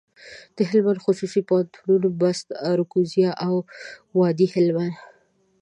دهلمند خصوصي پوهنتونونه، بُست، اراکوزیا او وادي هلمند.